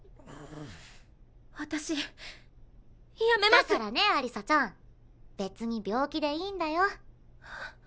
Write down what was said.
だからねアリサちゃん別に病気でいいんだよ。